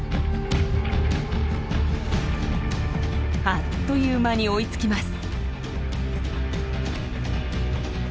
あっという間に追いつきます。